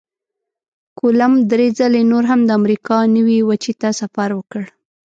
کولمب درې ځلې نور هم د امریکا نوي وچې ته سفر وکړ.